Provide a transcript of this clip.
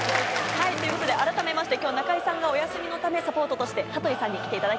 ということで改めまして今日中居さんがお休みのためサポートとして羽鳥さんに来ていただきました。